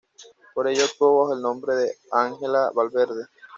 Por ello actuó bajo el nombre de Ángela Valverde.